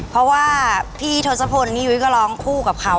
เพราะว่าพี่ทศพลนี่ยุ้ยก็ร้องคู่กับเขา